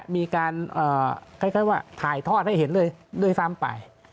มีการคล้ายว่าถ่ายทอดให้เห็นเลยด้วยซ้ำไป